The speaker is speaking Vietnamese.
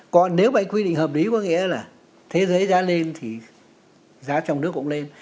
còn nếu vậy quy định hợp lý có nghĩa là thế giới giá lên thì giá trong nước cũng lên